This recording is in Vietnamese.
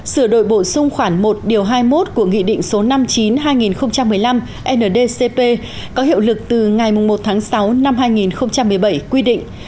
sửa đổi bổ sung khoảng một điều hai mươi một của nghị định số năm mươi chín hai nghìn một mươi năm ndcp có hiệu lực từ ngày một tháng sáu năm hai nghìn một mươi bảy quy định